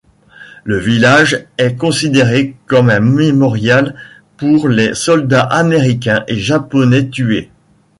Le village est considéré comme un mémorial pour les soldats américains et japonais tués.